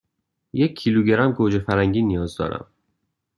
یک کیلوگرم گوجه فرنگی نیاز دارم.